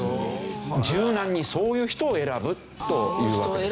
柔軟にそういう人を選ぶというわけです。